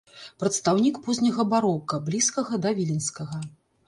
Прадстаўнік позняга барока, блізкага да віленскага.